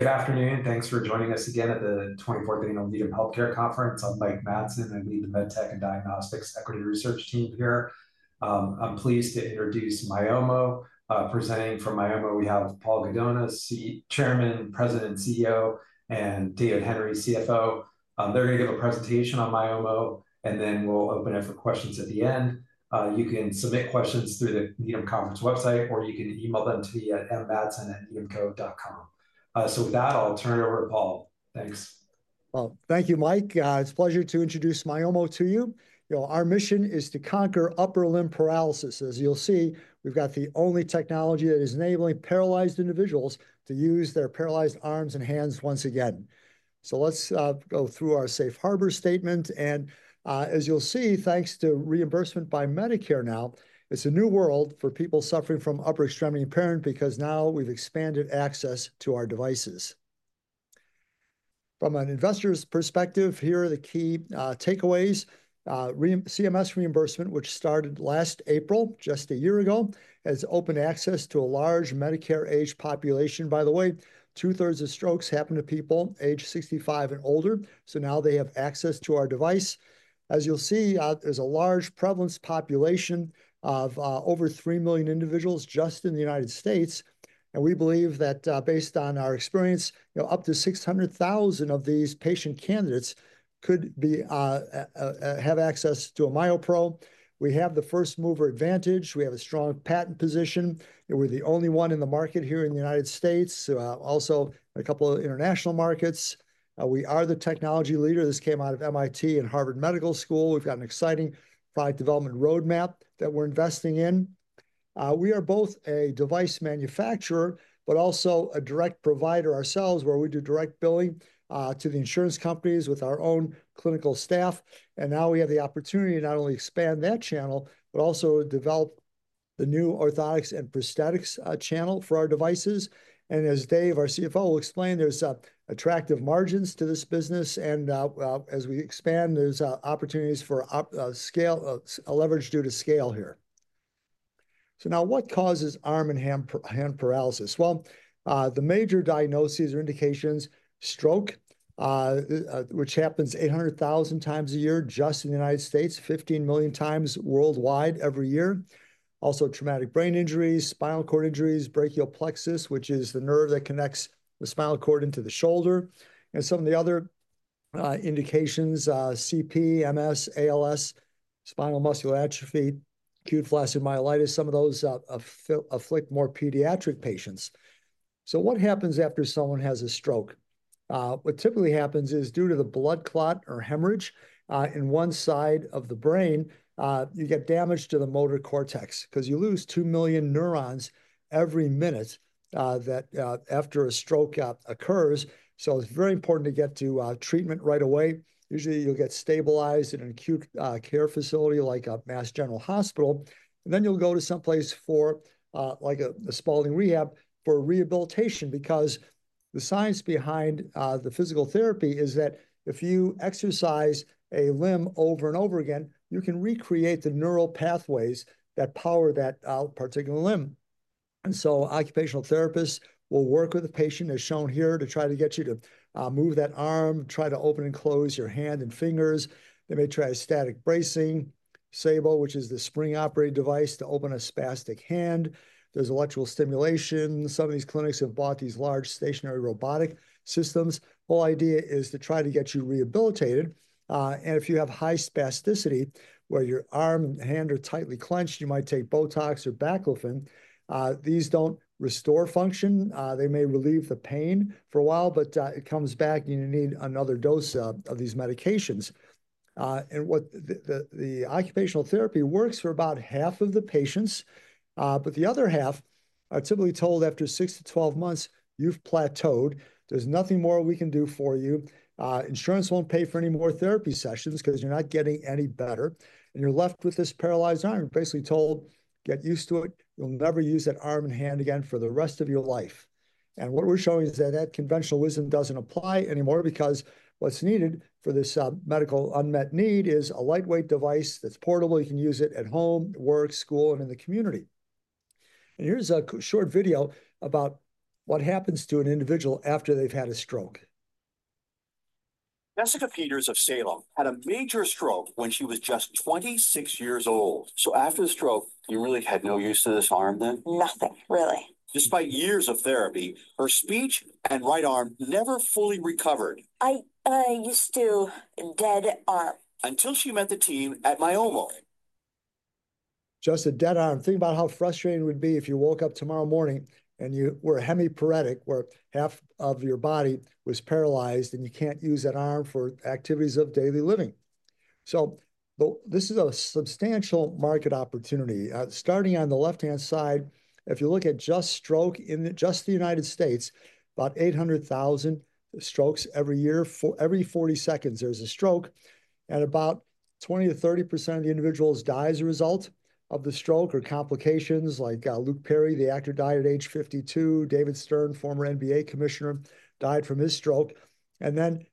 Good afternoon. Thanks for joining us again at the 24th Annual Needham Healthcare Conference. I'm Mike Matson. I lead the MedTech and Diagnostics Equity Research team here. I'm pleased to introduce Myomo. Presenting from Myomo, we have Paul Gudonis, Chairman, President, and CEO, and David Henry, CFO. They're going to give a presentation on Myomo, and then we'll open it for questions at the end. You can submit questions through the Needham Conference website, or you can email them to me at mmatson@needhamco.com. With that, I'll turn it over to Paul. Thanks. Thank you, Mike. It's a pleasure to introduce Myomo to you. Our mission is to conquer upper limb paralysis. As you'll see, we've got the only technology that is enabling paralyzed individuals to use their paralyzed arms and hands once again. Let's go through our safe harbor statement. As you'll see, thanks to reimbursement by Medicare now, it's a new world for people suffering from upper extremity impairment because now we've expanded access to our devices. From an investor's perspective, here are the key takeaways. CMS reimbursement, which started last April, just a year ago, has opened access to a large Medicare-age population. By the way, two-thirds of strokes happen to people age 65 and older, so now they have access to our device. As you'll see, there's a large prevalence population of over 3 million individuals just in the United States. We believe that based on our experience, up to 600,000 of these patient candidates could have access to a MyoPro. We have the first mover advantage. We have a strong patent position. We're the only one in the market here in the United States, also in a couple of international markets. We are the technology leader. This came out of MIT and Harvard Medical School. We've got an exciting product development roadmap that we're investing in. We are both a device manufacturer, but also a direct provider ourselves, where we do direct billing to the insurance companies with our own clinical staff. Now we have the opportunity to not only expand that channel, but also develop the new orthotics and prosthetics channel for our devices. As Dave, our CFO, will explain, there's attractive margins to this business. As we expand, there's opportunities for leverage due to scale here. Now, what causes arm and hand paralysis? The major diagnoses or indications are stroke, which happens 800,000 times a year just in the United States, 15 million times worldwide every year. Also, traumatic brain injuries, spinal cord injuries, brachial plexus, which is the nerve that connects the spinal cord into the shoulder. Some of the other indications are CP, MS, ALS, spinal muscular atrophy, acute flaccid myelitis. Some of those afflict more pediatric patients. What happens after someone has a stroke? What typically happens is due to the blood clot or hemorrhage in one side of the brain, you get damage to the motor cortex because you lose 2 million neurons every minute after a stroke occurs. It is very important to get to treatment right away. Usually, you'll get stabilized in an acute care facility like Massachusetts General Hospital. You will go to someplace like Spaulding Rehabilitation Hospital for rehabilitation because the science behind the physical therapy is that if you exercise a limb over and over again, you can recreate the neural pathways that power that particular limb. Occupational therapists will work with the patient, as shown here, to try to get you to move that arm, try to open and close your hand and fingers. They may try a static bracing, Saebo, which is the spring-operated device, to open a spastic hand. There is electrical stimulation. Some of these clinics have bought these large stationary robotic systems. The whole idea is to try to get you rehabilitated. If you have high spasticity, where your arm and hand are tightly clenched, you might take Botox or baclofen. These do not restore function. They may relieve the pain for a while, but it comes back, and you need another dose of these medications. The occupational therapy works for about half of the patients. The other half are typically told after 6 to 12 months, you've plateaued. There's nothing more we can do for you. Insurance won't pay for any more therapy sessions because you're not getting any better. You're left with this paralyzed arm. You're basically told, get used to it. You'll never use that arm and hand again for the rest of your life. What we're showing is that that conventional wisdom doesn't apply anymore because what's needed for this medical unmet need is a lightweight device that's portable. You can use it at home, at work, school, and in the community. Here's a short video about what happens to an individual after they've had a stroke. Jessica Peters of Salem had a major stroke when she was just 26 years old. After the stroke, you really had no use to this arm then? Nothing, really. Despite years of therapy, her speech and right arm never fully recovered. I used to dead arm. Until she met the team at Myomo. Just a dead arm. Think about how frustrating it would be if you woke up tomorrow morning and you were hemiparetic, where half of your body was paralyzed, and you can't use that arm for activities of daily living. This is a substantial market opportunity. Starting on the left-hand side, if you look at just stroke in just the United States, about 800,000 strokes every year. Every 40 seconds, there's a stroke. About 20%-30% of the individuals die as a result of the stroke or complications, like Luke Perry, the actor, died at age 52. David Stern, former NBA commissioner, died from his stroke.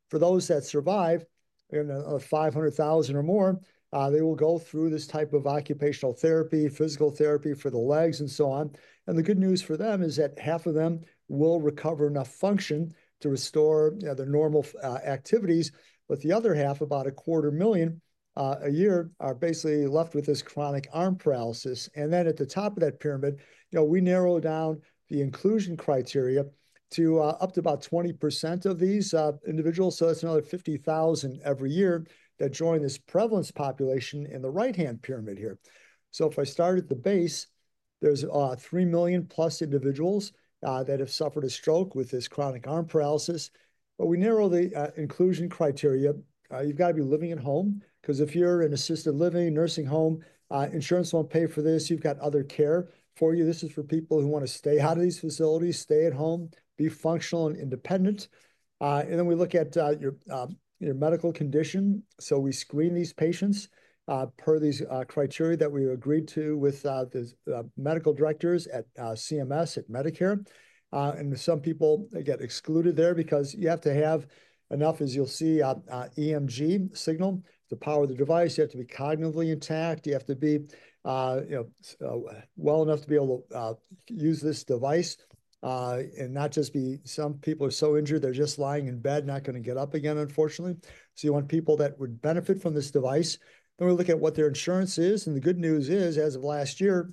For those that survive, 500,000 or more, they will go through this type of occupational therapy, physical therapy for the legs, and so on. The good news for them is that half of them will recover enough function to restore their normal activities. The other half, about 250,000 a year, are basically left with this chronic arm paralysis. At the top of that pyramid, we narrow down the inclusion criteria to up to about 20% of these individuals. That is another 50,000 every year that join this prevalence population in the right-hand pyramid here. If I start at the base, there are 3 million plus individuals that have suffered a stroke with this chronic arm paralysis. We narrow the inclusion criteria. You have to be living at home because if you are in assisted living, nursing home, insurance will not pay for this. You have other care for you. This is for people who want to stay out of these facilities, stay at home, be functional and independent. We look at your medical condition. We screen these patients per these criteria that we agreed to with the medical directors at CMS, at Medicare. Some people get excluded there because you have to have enough, as you'll see, EMG signal to power the device. You have to be cognitively intact. You have to be well enough to be able to use this device and not just be some people are so injured, they're just lying in bed, not going to get up again, unfortunately. You want people that would benefit from this device. We look at what their insurance is. The good news is, as of last year,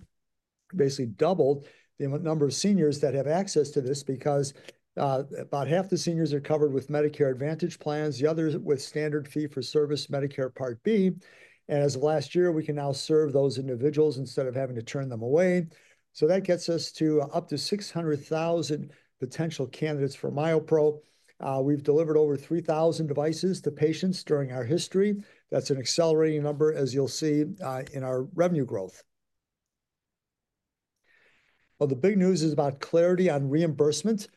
basically doubled the number of seniors that have access to this because about half the seniors are covered with Medicare Advantage plans, the others with Standard Fee for Service Medicare Part B. As of last year, we can now serve those individuals instead of having to turn them away. That gets us to up to 600,000 potential candidates for MyoPro. We've delivered over 3,000 devices to patients during our history. That's an accelerating number, as you'll see in our revenue growth. The big news is about clarity on reimbursement.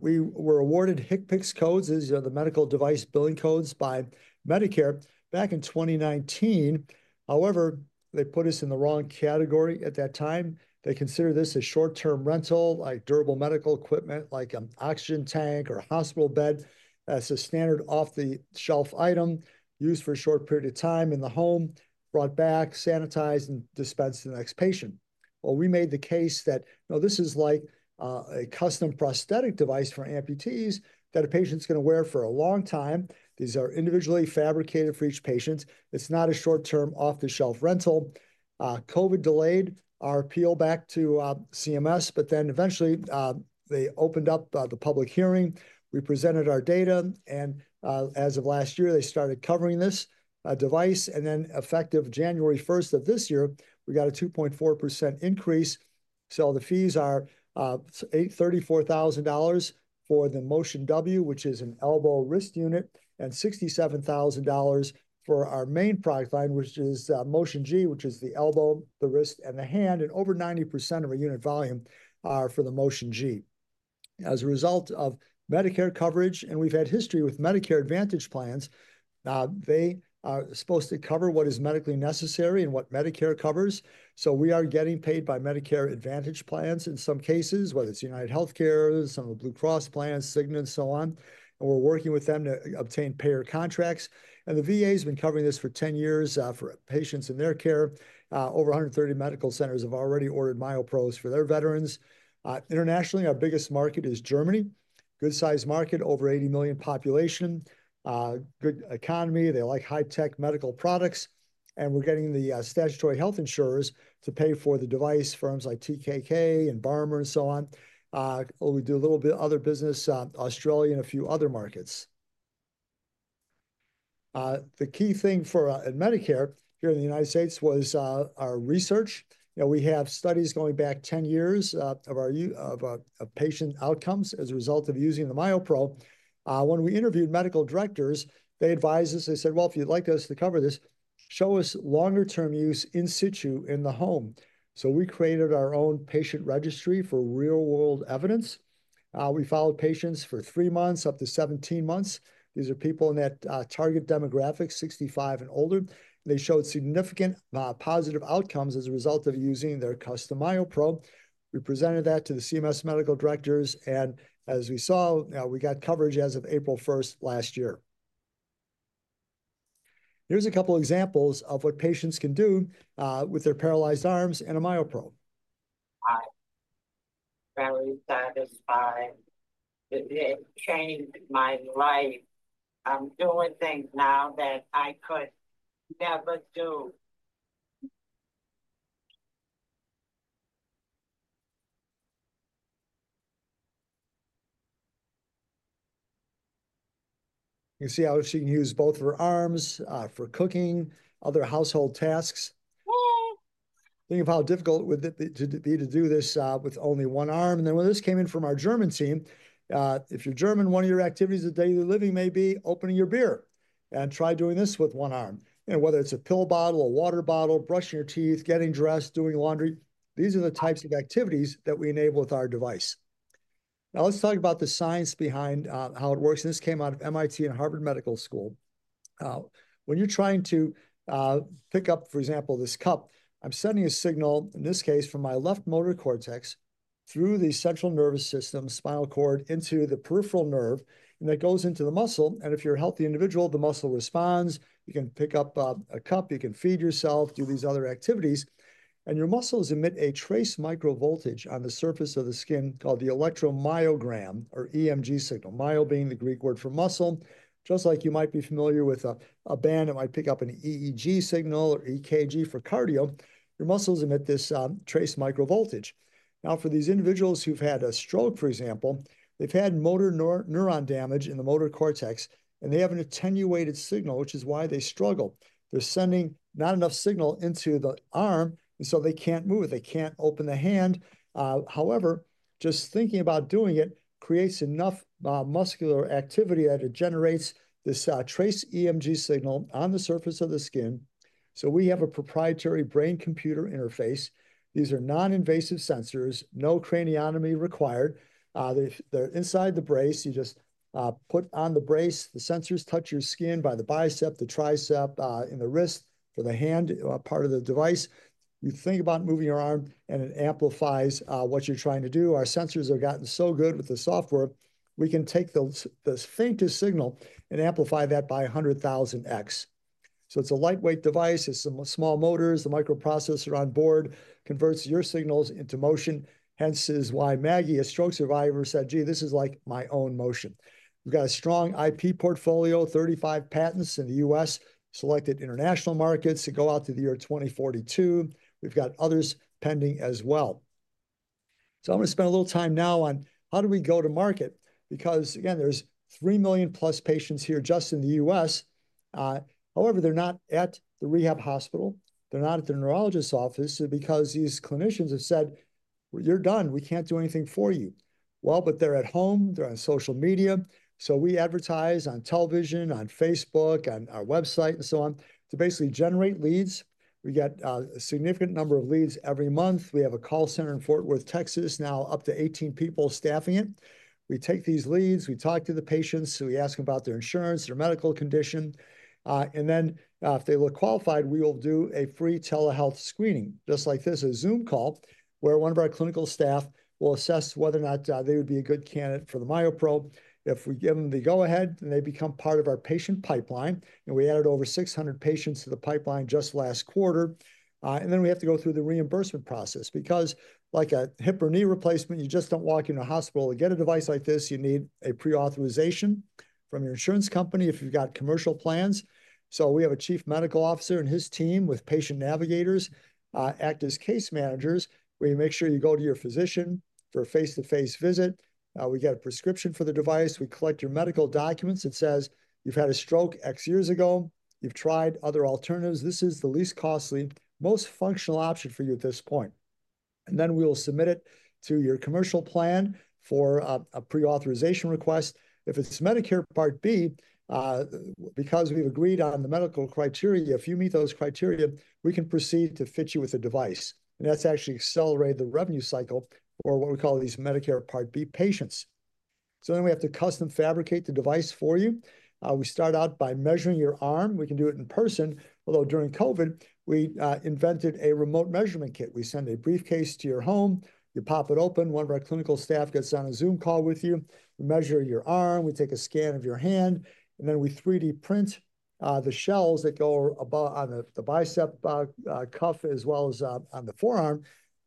We were awarded HCPCS codes, the medical device billing codes, by Medicare back in 2019. However, they put us in the wrong category at that time. They consider this a short-term rental, like durable medical equipment, like an oxygen tank or a hospital bed. That's a standard off-the-shelf item used for a short period of time in the home, brought back, sanitized, and dispensed to the next patient. We made the case that this is like a custom prosthetic device for amputees that a patient's going to wear for a long time. These are individually fabricated for each patient. It's not a short-term off-the-shelf rental. COVID delayed our appeal back to CMS, but eventually they opened up the public hearing. We presented our data. As of last year, they started covering this device. Effective January 1st of this year, we got a 2.4% increase. The fees are $34,000 for the Motion W, which is an elbow wrist unit, and $67,000 for our main product line, which is Motion G, which is the elbow, the wrist, and the hand. Over 90% of our unit volume are for the Motion G. As a result of Medicare coverage, and we've had history with Medicare Advantage plans, they are supposed to cover what is medically necessary and what Medicare covers. We are getting paid by Medicare Advantage plans in some cases, whether it's UnitedHealthcare, some of the Blue Cross Blue Shield plans, Cigna, and so on. We are working with them to obtain payer contracts. The VA has been covering this for 10 years for patients in their care. Over 130 medical centers have already ordered MyoPros for their veterans. Internationally, our biggest market is Germany, good-sized market, over 80 million population, good economy. They like high-tech medical products. We are getting the statutory health insurers to pay for the device, firms like TK and Barmer and so on. We do a little bit of other business, Australia and a few other markets. The key thing for Medicare here in the United States was our research. We have studies going back 10 years of our patient outcomes as a result of using the MyoPro. When we interviewed medical directors, they advised us, they said, "Well, if you'd like us to cover this, show us longer-term use in situ in the home." We created our own patient registry for real-world evidence. We followed patients for three months, up to 17 months. These are people in that target demographic, 65 and older. They showed significant positive outcomes as a result of using their custom MyoPro. We presented that to the CMS medical directors. As we saw, we got coverage as of April 1st last year. Here is a couple of examples of what patients can do with their paralyzed arms and a MyoPro. I'm very satisfied. It changed my life. I'm doing things now that I could never do. You can see how she can use both of her arms for cooking, other household tasks. Think of how difficult it would be to do this with only one arm. When this came in from our German team, if you're German, one of your activities of daily living may be opening your beer. Try doing this with one arm. Whether it's a pill bottle, a water bottle, brushing your teeth, getting dressed, doing laundry, these are the types of activities that we enable with our device. Now, let's talk about the science behind how it works. This came out of MIT and Harvard Medical School. When you're trying to pick up, for example, this cup, I'm sending a signal, in this case, from my left motor cortex through the central nervous system, spinal cord, into the peripheral nerve. That goes into the muscle. If you're a healthy individual, the muscle responds. You can pick up a cup. You can feed yourself, do these other activities. Your muscles emit a trace microvoltage on the surface of the skin called the electromyogram or EMG signal, myo being the Greek word for muscle. Just like you might be familiar with a band that might pick up an EEG signal or EKG for cardio, your muscles emit this trace microvoltage. Now, for these individuals who've had a stroke, for example, they've had motor neuron damage in the motor cortex, and they have an attenuated signal, which is why they struggle. They're sending not enough signal into the arm, and so they can't move. They can't open the hand. However, just thinking about doing it creates enough muscular activity that it generates this trace EMG signal on the surface of the skin. We have a proprietary brain-computer interface. These are non-invasive sensors, no craniotomy required. They're inside the brace. You just put on the brace. The sensors touch your skin by the bicep, the tricep, in the wrist, for the hand part of the device. You think about moving your arm, and it amplifies what you're trying to do. Our sensors have gotten so good with the software, we can take the faintest signal and amplify that by 100,000x. It is a lightweight device. It is some small motors. The microprocessor on board converts your signals into motion. Hence is why Maggie, a stroke survivor, said, "Gee, this is like my own motion." We have a strong IP portfolio, 35 patents in the U.S., selected international markets to go out to the year 2042. We have others pending as well. I'm going to spend a little time now on how do we go to market? Because, again, there's 3 million plus patients here just in the U.S. However, they're not at the rehab hospital. They're not at the neurologist's office because these clinicians have said, "You're done. We can't do anything for you." They're at home. They're on social media. We advertise on television, on Facebook, on our website, and so on to basically generate leads. We get a significant number of leads every month. We have a call center in Fort Worth, Texas, now up to 18 people staffing it. We take these leads. We talk to the patients. We ask them about their insurance, their medical condition. If they look qualified, we will do a free telehealth screening, just like this, a Zoom call, where one of our clinical staff will assess whether or not they would be a good candidate for the MyoPro. If we give them the go-ahead, they become part of our patient pipeline. We added over 600 patients to the pipeline just last quarter. We have to go through the reimbursement process because, like a hip or knee replacement, you just do not walk into a hospital to get a device like this. You need a pre-authorization from your insurance company if you have commercial plans. We have a Chief Medical Officer and his team with patient navigators who act as case managers, where you make sure you go to your physician for a face-to-face visit. We get a prescription for the device. We collect your medical documents. It says you've had a stroke x years ago. You've tried other alternatives. This is the least costly, most functional option for you at this point. We will submit it to your commercial plan for a pre-authorization request. If it's Medicare Part B, because we've agreed on the medical criteria, if you meet those criteria, we can proceed to fit you with a device. That has actually accelerated the revenue cycle for what we call these Medicare Part B patients. We have to custom fabricate the device for you. We start out by measuring your arm. We can do it in person. Although during COVID, we invented a remote measurement kit. We send a briefcase to your home. You pop it open. One of our clinical staff gets on a Zoom call with you. We measure your arm. We take a scan of your hand. We 3D print the shells that go on the bicep cuff as well as on the forearm.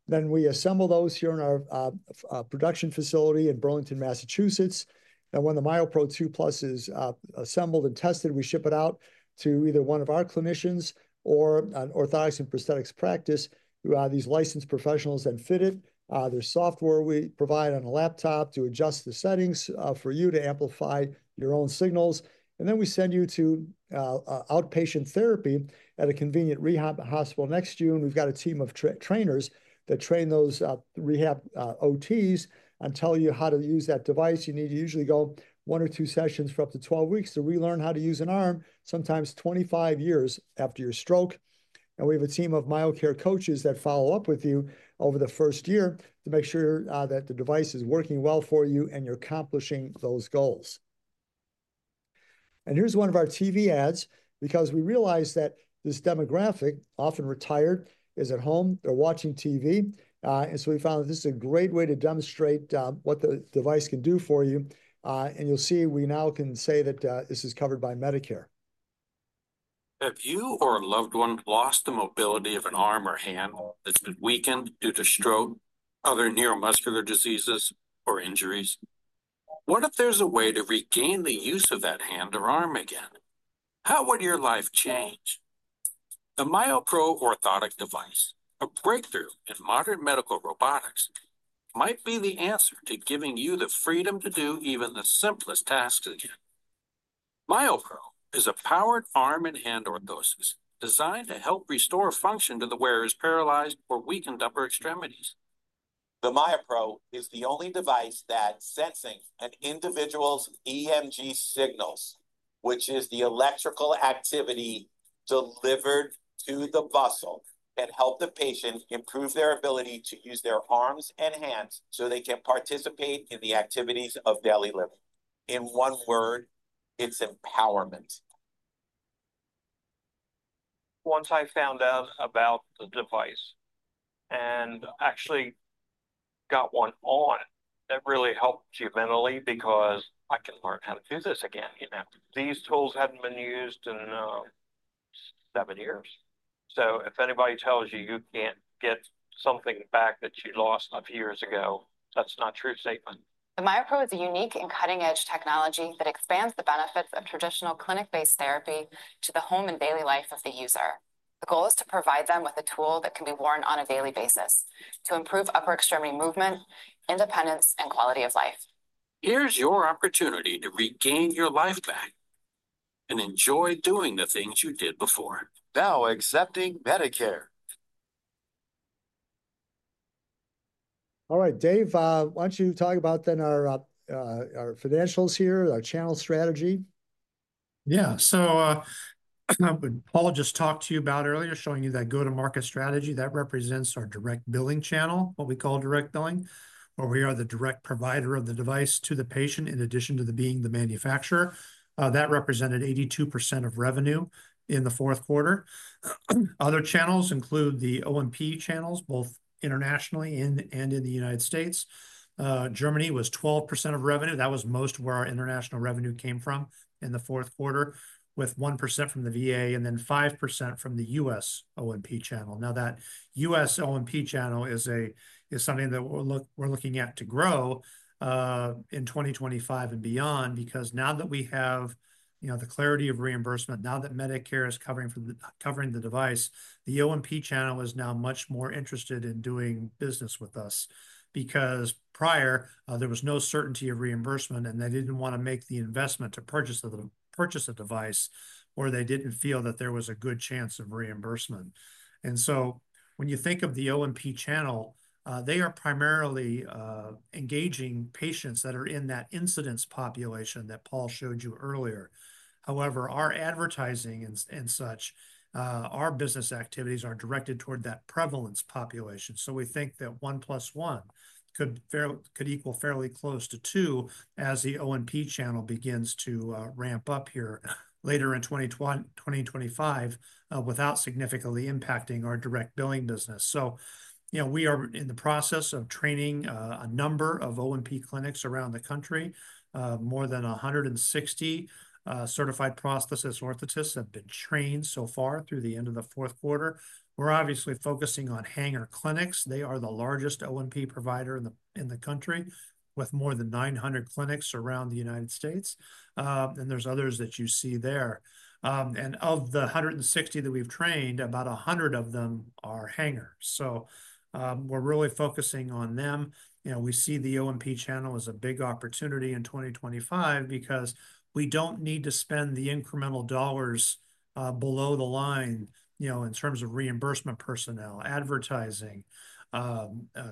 We assemble those here in our production facility in Burlington, Massachusetts. When the MyoPro 2 Plus is assembled and tested, we ship it out to either one of our clinicians or an orthotics and prosthetics practice who are these licensed professionals that fit it. There's software we provide on a laptop to adjust the settings for you to amplify your own signals. We send you to outpatient therapy at a convenient rehab hospital next June. We've got a team of trainers that train those rehab OTs and tell you how to use that device. You need to usually go one or two sessions for up to 12 weeks to relearn how to use an arm, sometimes 25 years after your stroke. We have a team of MyoCare coaches that follow up with you over the first year to make sure that the device is working well for you and you're accomplishing those goals. Here's one of our TV ads because we realized that this demographic, often retired, is at home. They're watching TV. We found that this is a great way to demonstrate what the device can do for you. You'll see we now can say that this is covered by Medicare. Have you or a loved one lost the mobility of an arm or hand that's been weakened due to stroke, other neuromuscular diseases, or injuries? What if there's a way to regain the use of that hand or arm again? How would your life change? The MyoPro orthotic device, a breakthrough in modern medical robotics, might be the answer to giving you the freedom to do even the simplest tasks again. MyoPro is a powered arm and hand orthosis designed to help restore function to the wearer's paralyzed or weakened upper extremities. The MyoPro is the only device that senses an individual's EMG signals, which is the electrical activity delivered to the muscle, and helps the patient improve their ability to use their arms and hands so they can participate in the activities of daily living. In one word, it's empowerment. Once I found out about the device and actually got one on, that really helped you mentally because I can learn how to do this again. These tools hadn't been used in seven years. If anybody tells you you can't get something back that you lost a few years ago, that's not a true statement. The MyoPro is a unique and cutting-edge technology that expands the benefits of traditional clinic-based therapy to the home and daily life of the user. The goal is to provide them with a tool that can be worn on a daily basis to improve upper extremity movement, independence, and quality of life. Here's your opportunity to regain your life back and enjoy doing the things you did before. Now accepting Medicare. All right, Dave, why don't you talk about then our financials here, our channel strategy? Yeah. So what Paul just talked to you about earlier, showing you that go-to-market strategy, that represents our direct billing channel, what we call direct billing, where we are the direct provider of the device to the patient in addition to being the manufacturer. That represented 82% of revenue in the fourth quarter. Other channels include the O&P channels, both internationally and in the United States. Germany was 12% of revenue. That was most of where our international revenue came from in the fourth quarter, with 1% from the VA and then 5% from the U.S. O&P channel. Now, that U.S. O&P channel is something that we're looking at to grow in 2025 and beyond because now that we have the clarity of reimbursement, now that Medicare is covering the device, the O&P channel is now much more interested in doing business with us because prior, there was no certainty of reimbursement, and they didn't want to make the investment to purchase a device or they didn't feel that there was a good chance of reimbursement. When you think of the O&P channel, they are primarily engaging patients that are in that incidence population that Paul showed you earlier. However, our advertising and such, our business activities are directed toward that prevalence population. We think that one plus one could equal fairly close to two as the O&P channel begins to ramp up here later in 2025 without significantly impacting our direct billing business. We are in the process of training a number of O&P clinics around the country. More than 160 certified prosthetist orthotists have been trained so far through the end of the fourth quarter. We are obviously focusing on Hanger Clinics. They are the largest O&P provider in the country with more than 900 clinics around the United States. There are others that you see there. Of the 160 that we have trained, about 100 of them are Hanger. We are really focusing on them. We see the O&P channel as a big opportunity in 2025 because we do not need to spend the incremental dollars below the line in terms of reimbursement personnel, advertising,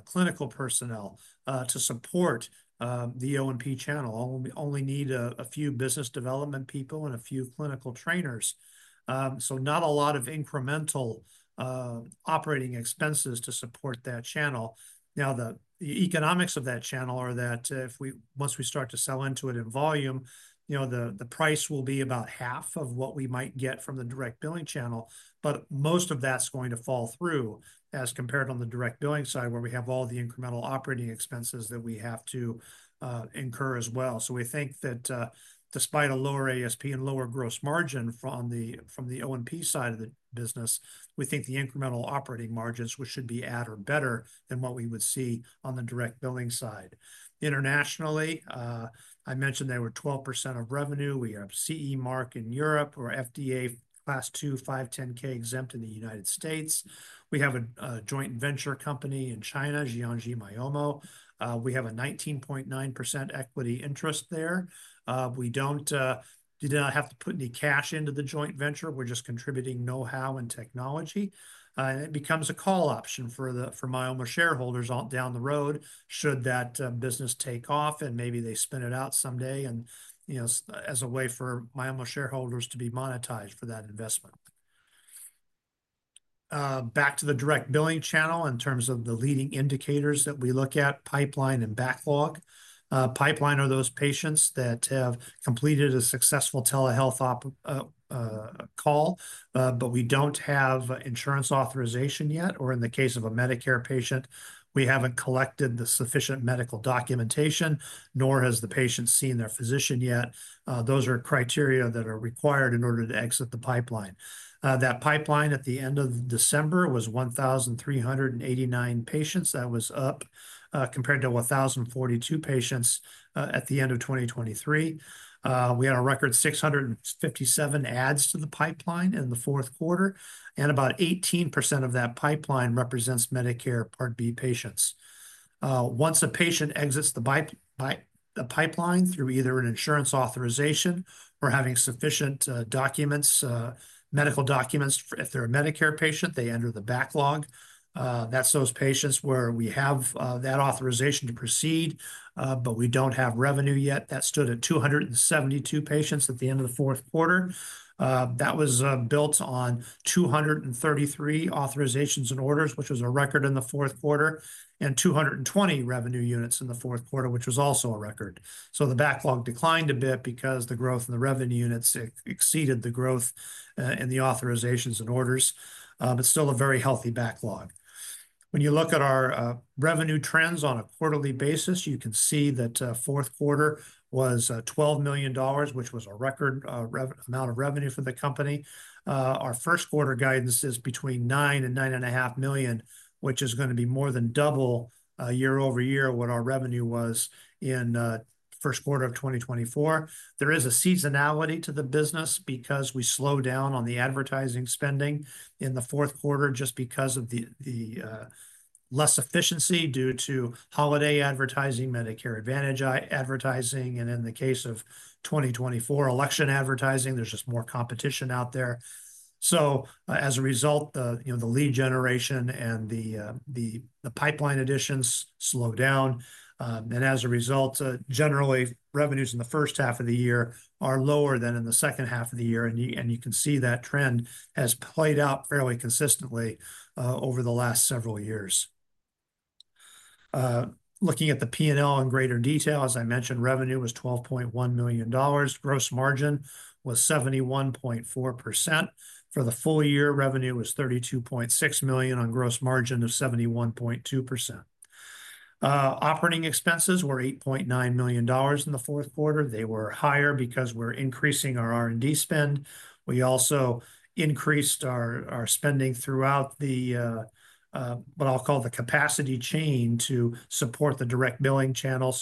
clinical personnel to support the O&P channel. We only need a few business development people and a few clinical trainers. Not a lot of incremental operating expenses to support that channel. Now, the economics of that channel are that once we start to sell into it in volume, the price will be about half of what we might get from the direct billing channel. Most of that's going to fall through as compared on the direct billing side where we have all the incremental operating expenses that we have to incur as well. We think that despite a lower ASP and lower gross margin from the O&P side of the business, we think the incremental operating margins should be at or better than what we would see on the direct billing side. Internationally, I mentioned they were 12% of revenue. We have CE mark in Europe or FDA Class II, 510(k) exempt in the United States. We have a joint venture company in China, Jiangxi Myomo. We have a 19.9% equity interest there. We don't have to put any cash into the joint venture. We're just contributing know-how and technology. It becomes a call option for Myomo shareholders down the road should that business take off, and maybe they spin it out someday as a way for Myomo shareholders to be monetized for that investment. Back to the direct billing channel in terms of the leading indicators that we look at, pipeline and backlog. Pipeline are those patients that have completed a successful telehealth call, but we don't have insurance authorization yet. In the case of a Medicare patient, we haven't collected the sufficient medical documentation, nor has the patient seen their physician yet. Those are criteria that are required in order to exit the pipeline. That pipeline at the end of December was 1,389 patients. That was up compared to 1,042 patients at the end of 2023. We had a record 657 adds to the pipeline in the fourth quarter, and about 18% of that pipeline represents Medicare Part B patients. Once a patient exits the pipeline through either an insurance authorization or having sufficient medical documents, if they're a Medicare patient, they enter the backlog. That's those patients where we have that authorization to proceed, but we don't have revenue yet. That stood at 272 patients at the end of the fourth quarter. That was built on 233 authorizations and orders, which was a record in the fourth quarter, and 220 revenue units in the fourth quarter, which was also a record. The backlog declined a bit because the growth in the revenue units exceeded the growth in the authorizations and orders, but still a very healthy backlog. When you look at our revenue trends on a quarterly basis, you can see that fourth quarter was $12 million, which was a record amount of revenue for the company. Our first quarter guidance is between $9 million and $9.5 million, which is going to be more than double year over year what our revenue was in the first quarter of 2024. There is a seasonality to the business because we slowed down on the advertising spending in the fourth quarter just because of the less efficiency due to holiday advertising, Medicare Advantage advertising, and in the case of 2024 election advertising, there's just more competition out there. As a result, the lead generation and the pipeline additions slowed down. As a result, generally, revenues in the first half of the year are lower than in the second half of the year. You can see that trend has played out fairly consistently over the last several years. Looking at the P&L in greater detail, as I mentioned, revenue was $12.1 million. Gross margin was 71.4%. For the full year, revenue was $32.6 million on gross margin of 71.2%. Operating expenses were $8.9 million in the fourth quarter. They were higher because we're increasing our R&D spend. We also increased our spending throughout the, what I'll call the capacity chain to support the direct billing channel.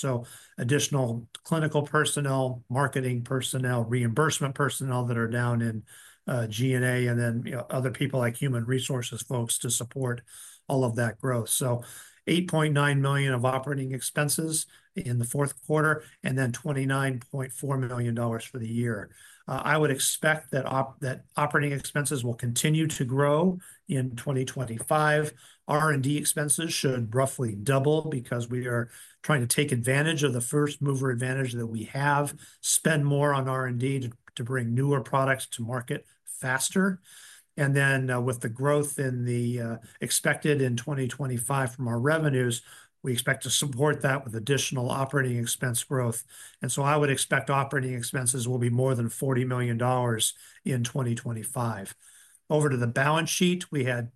Additional clinical personnel, marketing personnel, reimbursement personnel that are down in G&A, and then other people like human resources folks to support all of that growth. $8.9 million of operating expenses in the fourth quarter and then $29.4 million for the year. I would expect that operating expenses will continue to grow in 2025. R&D expenses should roughly double because we are trying to take advantage of the first mover advantage that we have, spend more on R&D to bring newer products to market faster. With the growth expected in 2025 from our revenues, we expect to support that with additional operating expense growth. I would expect operating expenses will be more than $40 million in 2025. Over to the balance sheet, we had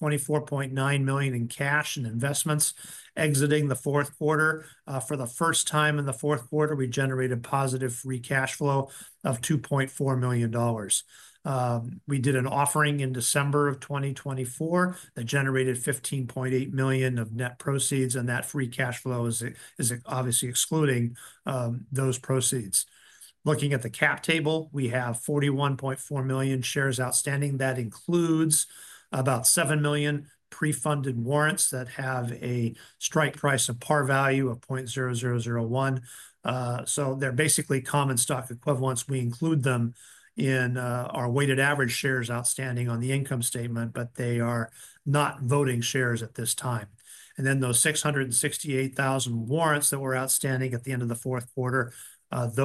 $24.9 million in cash and investments. Exiting the fourth quarter, for the first time in the fourth quarter, we generated positive free cash flow of $2.4 million. We did an offering in December of 2024 that generated $15.8 million of net proceeds, and that free cash flow is obviously excluding those proceeds. Looking at the cap table, we have 41.4 million shares outstanding. That includes about 7 million pre-funded warrants that have a strike price of par value of $0.0001. They are basically common stock equivalents. We include them in our weighted average shares outstanding on the income statement, but they are not voting shares at this time. Those 668,000 warrants that were outstanding at the end of the fourth quarter have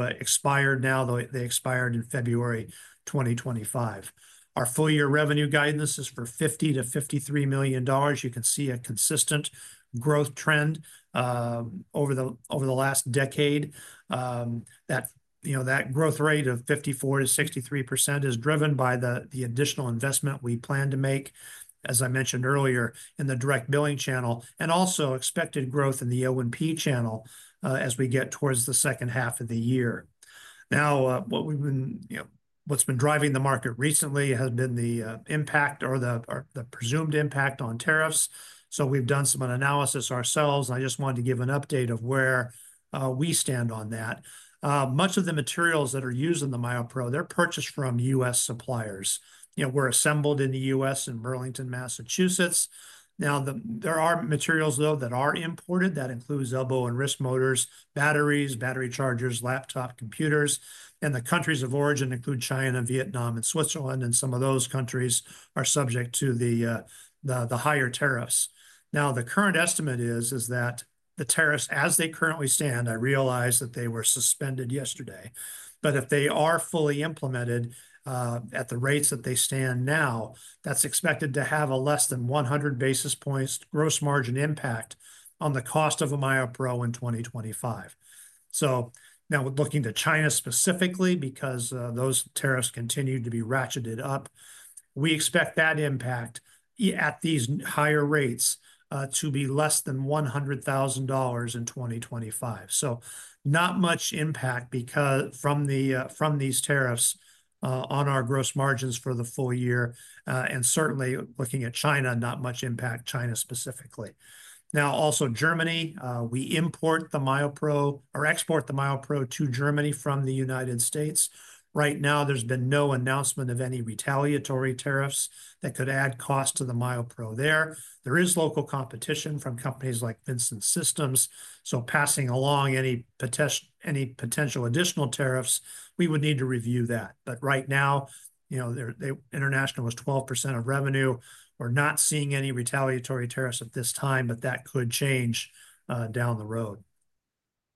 expired now. They expired in February 2025. Our full year revenue guidance is for $50-$53 million. You can see a consistent growth trend over the last decade. That growth rate of 54%-63% is driven by the additional investment we plan to make, as I mentioned earlier, in the direct billing channel and also expected growth in the O&P channel as we get towards the second half of the year. Now, what's been driving the market recently has been the impact or the presumed impact on tariffs. We've done some analysis ourselves, and I just wanted to give an update of where we stand on that. Much of the materials that are used in the MyoPro, they're purchased from U.S. suppliers. We're assembled in the U.S. in Burlington, Massachusetts. There are materials though that are imported. That includes elbow and wrist motors, batteries, battery chargers, laptop computers. The countries of origin include China, Vietnam, and Switzerland, and some of those countries are subject to the higher tariffs. The current estimate is that the tariffs, as they currently stand, I realize that they were suspended yesterday. If they are fully implemented at the rates that they stand now, that's expected to have a less than 100 basis points gross margin impact on the cost of a MyoPro in 2025. Now looking to China specifically because those tariffs continue to be ratcheted up, we expect that impact at these higher rates to be less than $100,000 in 2025. Not much impact from these tariffs on our gross margins for the full year. Certainly looking at China, not much impact China specifically. Also, Germany, we import the MyoPro or export the MyoPro to Germany from the United States. Right now, there's been no announcement of any retaliatory tariffs that could add cost to the MyoPro there. There is local competition from companies like Vincent Systems. Passing along any potential additional tariffs, we would need to review that. Right now, international was 12% of revenue. We're not seeing any retaliatory tariffs at this time, but that could change down the road.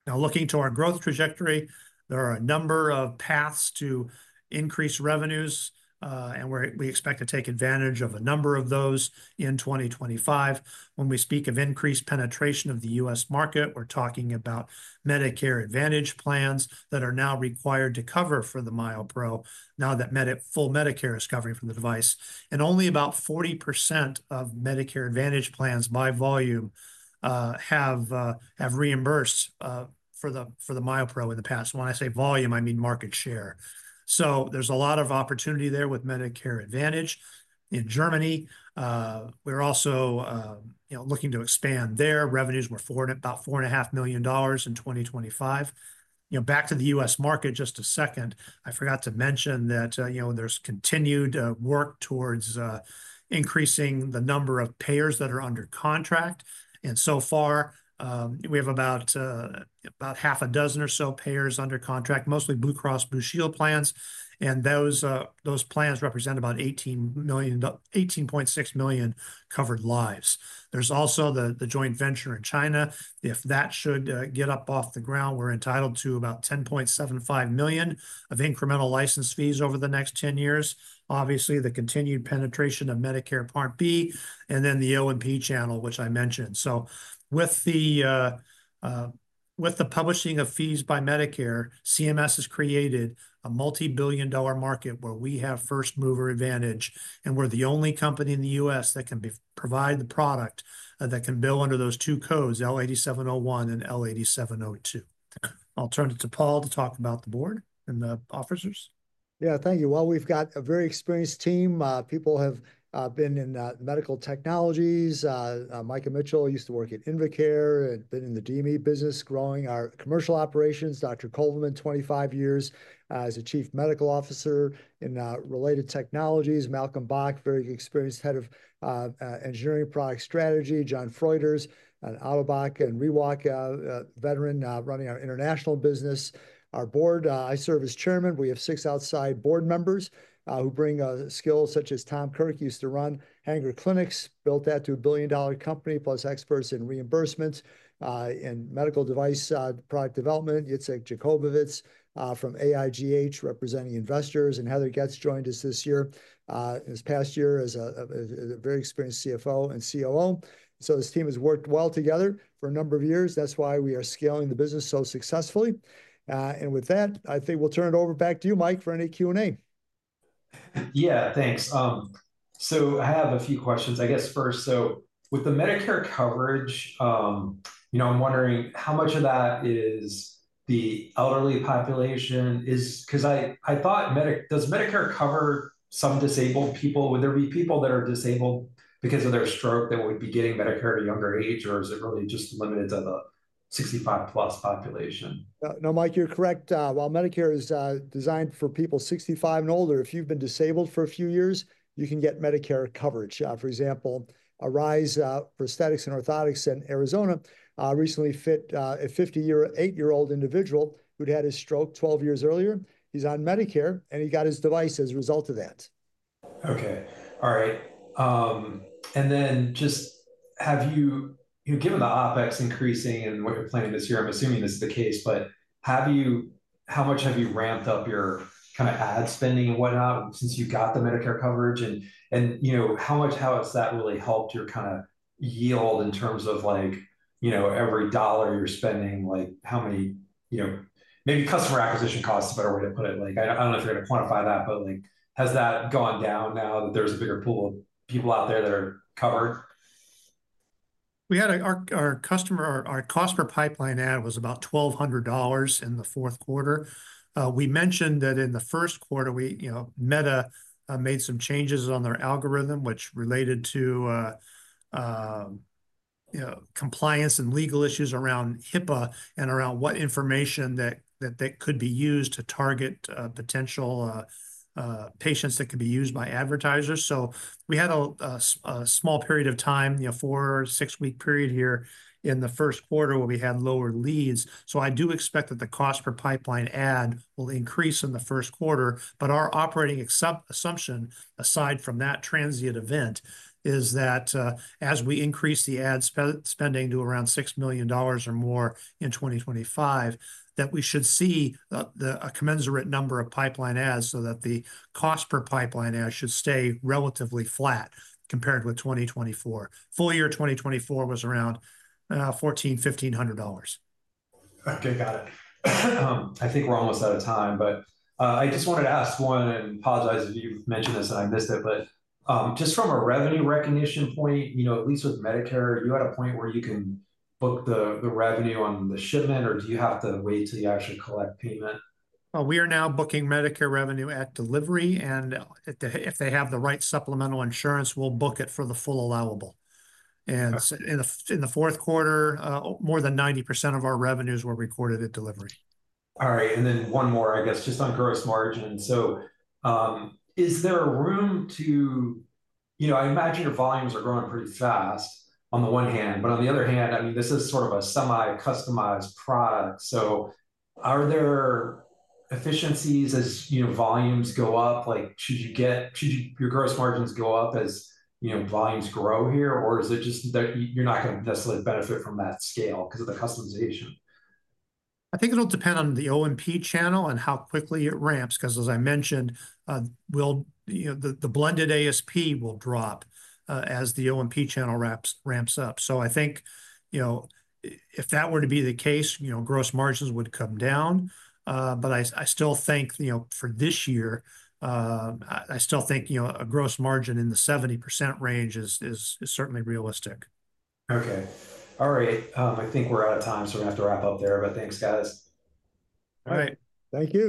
Now, looking to our growth trajectory, there are a number of paths to increase revenues, and we expect to take advantage of a number of those in 2025. When we speak of increased penetration of the U.S. market, we're talking about Medicare Advantage plans that are now required to cover for the MyoPro now that full Medicare is covering for the device. Only about 40% of Medicare Advantage plans by volume have reimbursed for the MyoPro in the past. When I say volume, I mean market share. There is a lot of opportunity there with Medicare Advantage in Germany. We're also looking to expand there. Revenues were about $4.5 million in 2025. Back to the U.S. market, just a second. I forgot to mention that there's continued work towards increasing the number of payers that are under contract. We have about half a dozen or so payers under contract, mostly Blue Cross Blue Shield plans. Those plans represent about 18.6 million covered lives. There's also the joint venture in China. If that should get up off the ground, we're entitled to about $10.75 million of incremental license fees over the next 10 years. Obviously, the continued penetration of Medicare Part B and then the O&P channel, which I mentioned. With the publishing of fees by Medicare, CMS has created a multi-billion dollar market where we have first mover advantage, and we're the only company in the U.S. that can provide the product that can bill under those two codes, L8701 and L8702. I'll turn it to Paul to talk about the board and the officers. Yeah, thank you. We've got a very experienced team. People have been in medical technologies. Micah Mitchell used to work at Invacare and been in the DME business, growing our commercial operations. Dr. Coleman, 25 years as a Chief Medical Officer in related technologies. Malcolm Bach, very experienced head of engineering product strategy. John Frijters, an Ottobock and ReWalk veteran running our international business. Our board, I serve as chairman. We have six outside board members who bring skills such as Tom Kirk used to run Hanger Clinics, built that to a billion dollar company plus experts in reimbursements and medical device product development. Yitzchok Jakubowicz from AIGH representing investors. Heather Getz joined us this year this past year as a very experienced CFO and COO. This team has worked well together for a number of years. That's why we are scaling the business so successfully. With that, I think we'll turn it over back to you, Mike, for any Q&A. Yeah, thanks. I have a few questions. I guess first, with the Medicare coverage, I'm wondering how much of that is the elderly population? Because I thought, does Medicare cover some disabled people? Would there be people that are disabled because of their stroke that would be getting Medicare at a younger age? Or is it really just limited to the 65 plus population? No, Mike, you're correct. While Medicare is designed for people 65 and older, if you've been disabled for a few years, you can get Medicare coverage. For example, Arise Prosthetics and Orthotics in Arizona recently fit a 58-year-old individual who'd had his stroke 12 years earlier. He's on Medicare, and he got his device as a result of that. Okay. All right. Have you, given the OpEx increasing and what you're planning this year, I'm assuming this is the case, but how much have you ramped up your kind of ad spending and whatnot since you got the Medicare coverage? How much has that really helped your kind of yield in terms of every dollar you're spending? Maybe customer acquisition cost is a better way to put it. I don't know if you're going to quantify that, but has that gone down now that there's a bigger pool of people out there that are covered? Our cost per pipeline ad was about $1,200 in the fourth quarter. We mentioned that in the first quarter, Meta made some changes on their algorithm, which related to compliance and legal issues around HIPAA and around what information that could be used to target potential patients that could be used by advertisers. We had a small period of time, four or six-week period here in the first quarter where we had lower leads. I do expect that the cost per pipeline ad will increase in the first quarter. Our operating assumption, aside from that transient event, is that as we increase the ad spending to around $6 million or more in 2025, we should see a commensurate number of pipeline ads so that the cost per pipeline ad should stay relatively flat compared with 2024. Full year 2024 was around $1,400-$1,500. Okay, got it. I think we're almost out of time, but I just wanted to ask one, and apologize if you've mentioned this and I missed it, but just from a revenue recognition point, at least with Medicare, are you at a point where you can book the revenue on the shipment, or do you have to wait till you actually collect payment? We are now booking Medicare revenue at delivery, and if they have the right supplemental insurance, we'll book it for the full allowable. In the fourth quarter, more than 90% of our revenues were recorded at delivery. All right. One more, I guess, just on gross margin. Is there room to, I imagine your volumes are growing pretty fast on the one hand, but on the other hand, I mean, this is sort of a semi-customized product. Are there efficiencies as volumes go up? Should your gross margins go up as volumes grow here, or is it just that you're not going to necessarily benefit from that scale because of the customization? I think it'll depend on the O&P channel and how quickly it ramps because, as I mentioned, the blended ASP will drop as the O&P channel ramps up. I think if that were to be the case, gross margins would come down. I still think for this year, I still think a gross margin in the 70% range is certainly realistic. Okay. All right. I think we're out of time, so we're going to have to wrap up there, but thanks, guys. All right. Thank you.